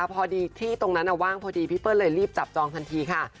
พอดีที่ตรงนั้นว่างพอดีพี่เปิ้ลเลยรีบจับจองทันทีค่ะ